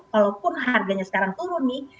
kalaupun harganya sekarang turun nih